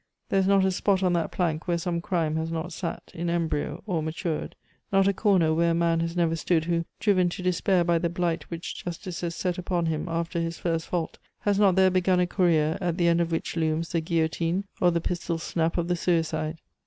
There is not a spot on that plank where some crime has not sat, in embryo or matured; not a corner where a man has never stood who, driven to despair by the blight which justice has set upon him after his first fault, has not there begun a career, at the end of which looms the guillotine or the pistol snap of the suicide.